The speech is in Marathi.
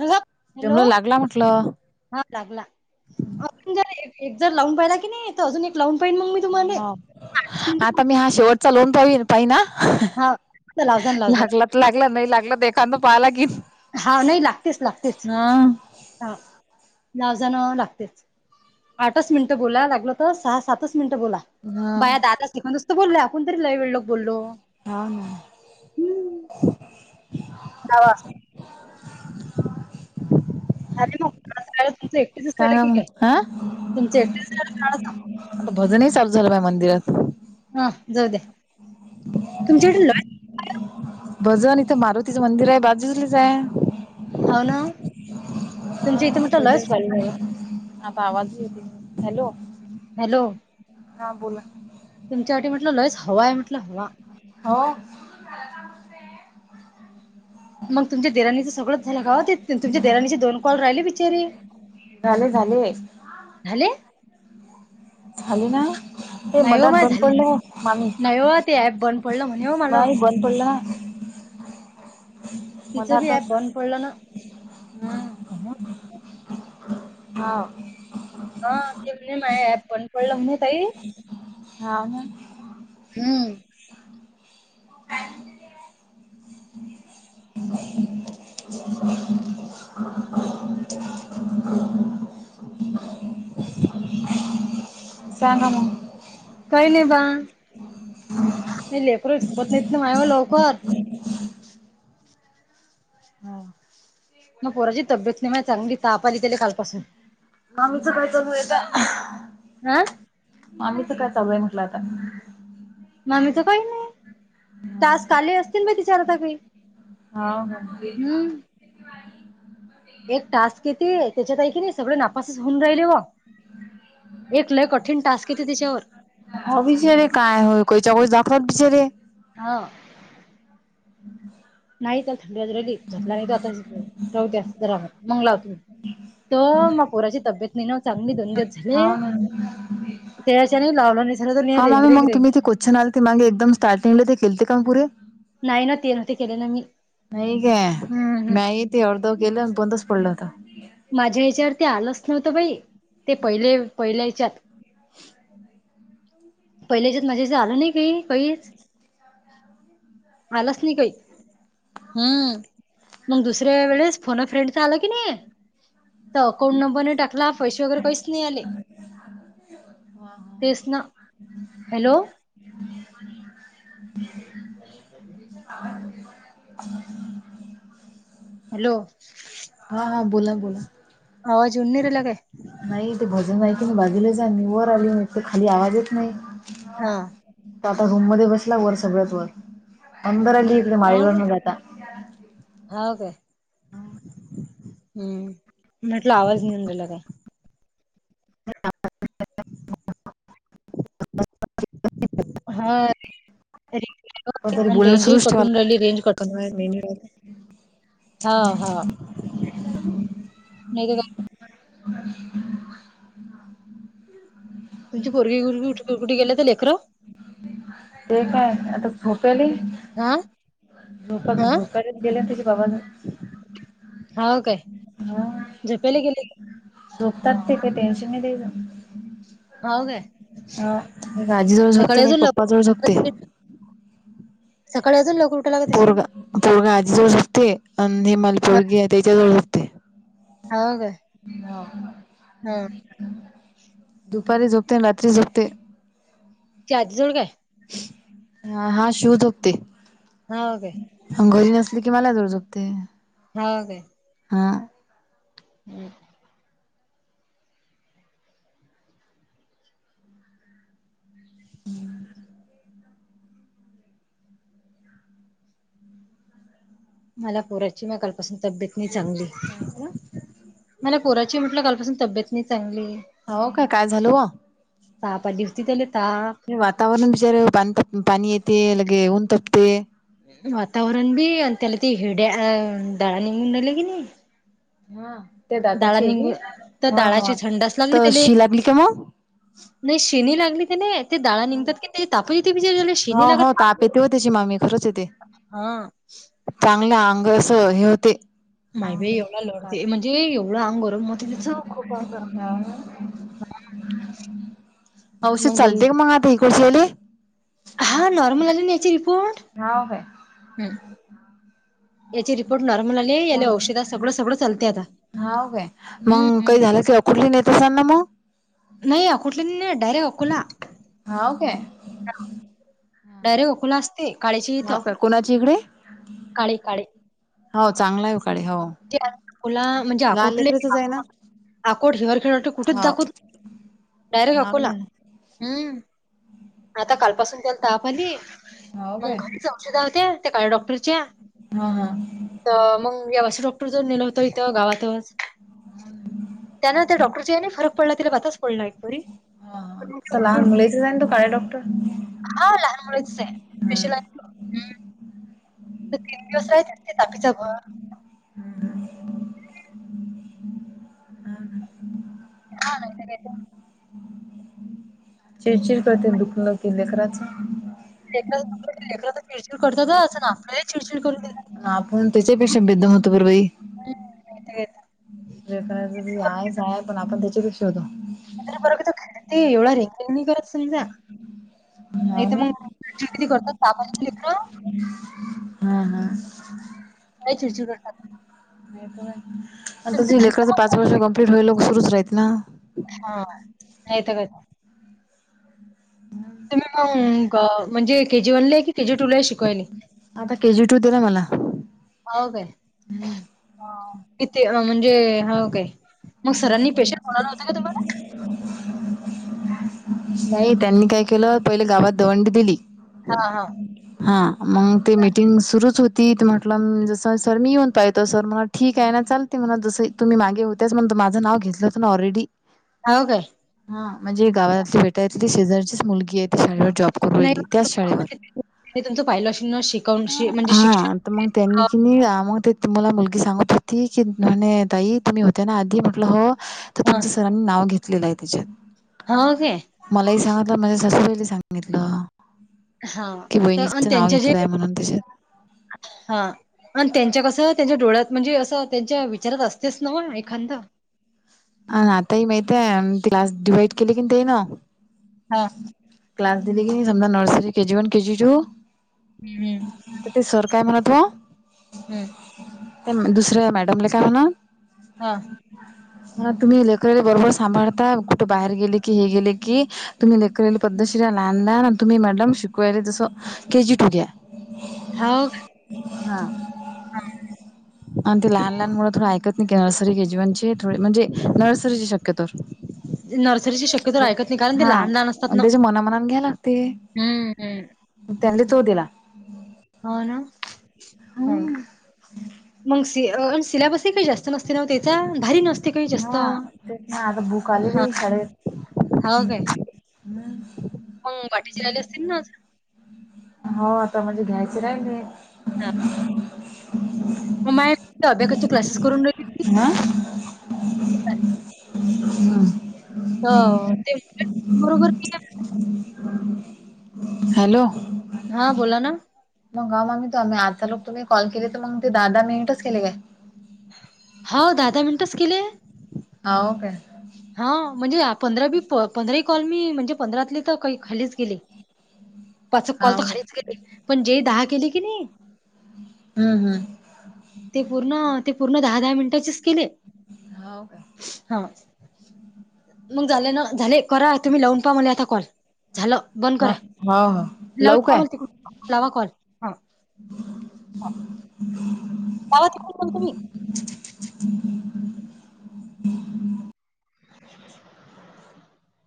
त जमलं लागला म्हटलं हा लागला अ जर एक जर लावून पहिला की नाही अजून एक लावून पहिन मग मी तुम्हा ह आता मी हा शेवटचा लावून पाहिन हा हा लावजा ना लावजा ना लागला लागलं नाही लागलं देखा पाहाला की हा नाही लागतेच लागतेच हा लावजण लागतेच आठच मिनिटं बोलायला लागल तर सहा सातच मिनटं बोला हा बाया दादा शिकवूनसतो बोलल आपण तरी लय वेेळो क बोललो हा ना दवा झाले मगयला तुमच एकटसचयला सांगा कठीक मग आहे तुमच एकटसयला. भजन चालू झालं बाय मंदिरात! हा जाऊ दे तुमच्याकडल भजन इथं मारुतीचं मंदिर आहे बाजूलेच आहे. हो ना तुमच्या इथे म्हटलं लयच आता आवाज य होती हॅलो. हॅलो हा बोला तुमच्या वाटी म्हटलं लयस हवा आहे म्हटलं हवा. हो मग तुमच्या देराणीचं सगळंच झालं का ते तुमच्या देराणीची दोन कॉल राहिली बिचारारी. झाले झाले झाले झाली ना हे नाही हो मदात मा बंद झाले पडलं मामी नाही हो ते ऍप बंद पडलं म्हणे हो मला बाय. बंद पडला. तिचं बी ऍप बंद पडलं ना. हम्म हा हा के माझ ॲप पण पडलं म्ह तई. हा व ना हम्म हम् [unintelligible] सांगा मग काय नाही बा नाही लेकर झोपत नाहीत ना मा लवकर. हा मग पोराची तब्येत नाही मा चांगली ताप आली कालपासून. आमीच काय चालू आहे हा आता आमीच काय चालू आहे म्हटलं आता. म्मी तर काही नाही तास काले असतील ब तिच्या आता काही हाउ ना हम्म एक टास्क येते त्याच्यातऐ की नाही सगळे नापास होऊन राहिले व एक लय कठीण टास्क येते त्याच्यावर ह बचारे काय हो कोच्याकस दाखात बचारे [unintelligible] हा हम् नाही तर थंडी बाजरली झपला नाही तो आता राहत्यास जरा मंगलावत्ही [unintelligible] त म पोराची तब्येत नाही नवत. चांगली दंग्यात झाली हाव ना त्याच्या लावला नाही झाला दो रेंग रेंग रेंग. अच्छ ते मागे एकदम स्टार्टिंगले ते खेलते काम पुरे. नाही ना ते नवते केले ना मी नाही काय हम्म् म्याही ते अर्ध गेले आणि बंदच पडलत माझ्या ह्याच्यावर ते आलंच नव्हतं बाई ते पहिले पहिल्या हच्यात. पहिल्याच्यात माझ्याशी आल नाही काही काहीच आलाच नाही काही. हम्म मग दुसऱ्या वेळेस फोन फ्रेंडचा आला की नाही. तर अकाउंट नंबर नाही टाकला पैसे वगर काहीच नाही आले. तेच ना. हॅलो ह् [unintelligible] ह हॅलो हा हा बोला बोला आवाज येऊन नी रायला काय नाही ते भजन की नाही बाजूला जा वर आली म ते खाली आवाजच नाही हा तर आता रूम मध्ये बसला वर सगळ्यात वर अंदर आली इकडे माळीवर न जाता होा काय हम्म म आटल आवाज नि अंदरला काय ह ह हम्म [unintelligible] हा ते पण तरी बोलणं रेंजे सुरूच ठेवायला कटून राली रेंज कट हा हा नाही तर का अ तुमची पोरगी [unintelligible] कुठी गेले तर लेकर झोप्याली हा झो हा झोप्याला गेले ततेचं बाग्यालो हा काय झोपली गेले का? होोतते ते टेनशनले हाव काय अ आजी जवळ सकाळी झोपते ना एक अजून पप्पा लवकर जवळ उठायला लागत झोपते. अशील सकाळी अजून लग पोरग पोरगा आजी जवळ सुटते आणि हिमाल हा पोरगी त्याच्या जवळ सुटते. हाव काय ह हा दुपारी झोपते आणि रात्री झोपते. क आजीजवळ काय? हा हा शूज होकते. हा काे अंगोज नसली की मला जोड जुगते. हो काे ह हम् मला पोराची म कालपासून तब्येत नाही चांगली. ह का मला पोराची म्हटलं कालपासून तब्येत नाही चांगली. हो काय काय झालं वा? सहा पा दिवसती त्याले तहा वातावरण बिचारे पा पाणी येते लगे ऊन तपते. वातावरण बी आणि त्याला ते हिड्या दळा निघून नले की नाही हा ते डाळा दाताची आहे निघून की तर हा डाळाची हा थंडास लागली तर त्याले शि लागली का मग नाही शिनी लागली त ना ते दाडा हा. निघतात की नाही तपण ज ते विचार झाला सिनी हो लागात हो ताप येते हो त. त्याची मामी खरंच येते हा चांगलं अंग अस हे होते. मायबा एवढं लढते म्हणजे एवढं अंगो. हा औषध मग दोन चालते का मग आता ह कसलेले. हां नॉर्म आलीन याची रिपोर्ट हा काय याची रिपोर्ट नॉर्मलली आहे या औषधात सगळं सगळं चालते आता हा काय मग काही हम्म झालं किवा कुठली नेत असांलना मग नाही अकोठले नाही डायरेक्ट अकोला. हा का डायरेक्ट ओकुला असते काळीची इथं हाव काय कोणाची इकडे काळी काळी हो चांगला आहे उकाडे हो. अकोला म्हणजे लहान आकोटले लेकरीचच आहे ना? आकोट हिवर खेळ कुठेच हो दाखवत. डयरेक्ट हाव हाकला ना. हम्म आता कालपासून त्याला तहापली हाव मग काय घरीच औषध होत्या त्या काळ डॉक्टरच्या हा हा तर मग ववच डॉक्टर जर नेलं होत इथं गावातच. त्यान त्या डॉक्टरची फरक पडला तिला बताच पडला एक बरी [inaudible] तो कारडे डॉक्टर. ह लहान मुलांचाच आहे. हा. हम्म तीन दिवस आहे ते तापीचं घर. ह हा हा नाही तर काय तर. चिडचिड करतील दुखून लावतील तेखराच. क लेक तर चिडचिड करतात असं ना आपल्यालाही चिडचिड करून देतात. आपण त्याच्यापेक्षा बेदम होतो परवाई. हा [unintelligible] लेकराचा बी हायच हाय पण आपण त्याच्या बी शोधू. [unintelligible] बरो ख एवढं रे करत समजा हा नाही त ना. मंग चीडचीडी करतात तापान लेकरं. [unintelligible] हम् [inaudible] हा हा. लाय चिडचिड करतात. नाय पण त्यांचं लेकरच झालं पाच का वर्ष कमप्लीट होईयल सुरुच राहीत ना. हा नाही त काय. अंम का म्हणजे केजी वनले हे की केजीटूले हे शिकवायले. आता के जी टू दिला मला. हाव काय किती म्हणजे हव काय. [inaudible] मग सरांनी पेशंट बोलावलं होतं का तुम्हाला? नाही त्यांनी काय केलं पहिले गावात दवंडी दिली. हा हा. हा मंग ते मीटिंग सुरूच होते. तीथ म्हटलंम जस सर मी येऊन पाहतो सर म्हला ठीक आहे ना, चालते म्हणा जस तुम्ही मागे होत. तेच म्हणत माझं नाव घेतलं होतं ना ऑलरेडी. हव काय. हा म्हणजे गावातली बेटायली शेजारचीच मुलगी हे. [unintelligible] हा नाहीु त पाहिलंअशिना, शिकाऊन शी म्हणजे हा शिक्षण. तर मग त्यांनी की नी आ मंग ते तुम्हाला मुलगी सांगत होती की म्हणे ताई तुम्ही हो त्या ना, आधी म्हण ट हो तर तुमचं सरांनी नाव घेतलेलं आहे त्याच्यात. हव की. मलाही सांगितलं माझ्या सासूबाई ले सांगितलं. हां. कि तर आणि वहिणीचं नाव त्यांच्या जे घेतलंय म्हणून त्याच्यात. हा आणि त्यांच्या कसं त्यांच्या डोळ्यात म्हणजे असं त्यांच्या विचारात अस तेस नव एखांद. अ आता ही माहितय ती हे आण क्लास डिवाइड केली की ते न. हा. क्लास दिली की नाही समधा nursery KG one KG two हम्म हम्म. क तेे सरकाय म्हतव हम्म. त्यान दुसर मॅडमले काय म्हण हा हा तुम्ही लेकराले बरोबर सांभाळता कुठे बाहेर गेले की हे गेले की तुम्ही लेकराले पद्धतशिर आना लहान [unintelligible] आणि तुम्ही मॅडम शिकवायले जसं के जी टू घ्या. हाव का. [inaudible] हा आणि ते लहान लहान मुल थोडं ऐकत ग्या अर्सरी के जीवनचे थोडे म्हणजे नर्सरीचे शक्यतोर. नर्सरीची शक्यतो ऐकत नाही कारण ते हा लहान लहान असतात ना त्याच्या मनामनान घ्या लागते. हम्म हम्म म त्यांनी तो दिला. हव ना हा. मग सी अ सिलेबसही काही जास्त नसते ना, त्याचा भारी नस. हा तेच ना, आता बूक आली री हा [unintelligible] शाळेत हम्म हम्म. हम्म बाटेची आले असतील ना. हो आता म्हणजे घ्यायच राहिले. ममाय अब्येकचे क्लासेस करून घेती. हा. हो ते बरोबर [unintelligible] हॅलो! हा बोला ना. मग ह मग म तुम्ही आता लोक तुम्ही कॉल केली तर मग ते दहा दहा मिनिटच केले काय. होा दादा मिनटच केले. हा का. हा म्हणजे पंधरा बी प पंधराही कॉल मी म्हणजे पंधरातली तर काही खालीच गेली. पाच कॉल हाव तर काय. खरीच केली पण जे दहा केले की नाही. हम् हम्म. ते पूर्ण ते पूर्ण दहा दहा मिनिटाचेच केले. हो का. हा. मग झाले ना झाले करा तुम्ही लावून पहा मला आता कॉल झाला. बंद ह करा हो हो लावड लवू काय? कॉमल त लावा कॉल. हा काचण तुमही. [unintelligible]